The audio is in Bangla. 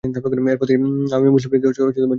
এরপর তিনি আওয়ামী মুসলিম লীগে যোগ দেন।